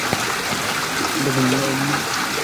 পরদিন এসে বললেন, হে সুমামা!